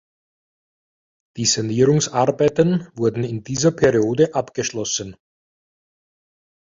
Die Sanierungsarbeiten wurden in dieser Periode abgeschlossen.